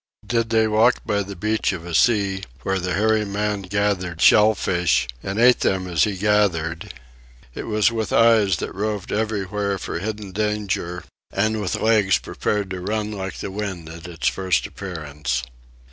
Did they walk by the beach of a sea, where the hairy man gathered shellfish and ate them as he gathered, it was with eyes that roved everywhere for hidden danger and with legs prepared to run like the wind at its first appearance.